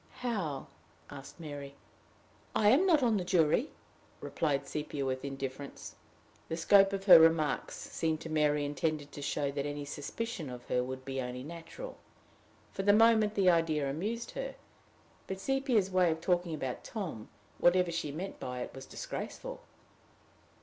"How?" asked Mary. "I am not on the jury," replied Sepia, with indifference. The scope of her remarks seemed to Mary intended to show that any suspicion of her would only be natural. For the moment the idea amused her. But Sepia's way of talking about Tom, whatever she meant by it, was disgraceful!